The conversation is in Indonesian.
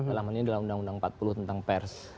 alamannya adalah undang undang empat puluh tentang pers